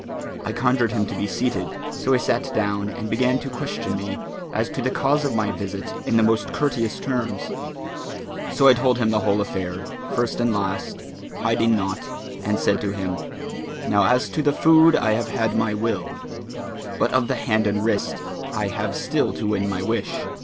I conjured him to be seated; so he sat down and began to question me as to the cause of my visit in the most courteous terms. So I told him the whole affair, first and last, hiding naught, and said to him, 'Now as to the food I have had my will, but of the hand and wrist I have still to win my wish.'